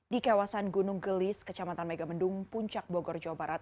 di kawasan gunung gelis kecamatan megamendung puncak bogor jawa barat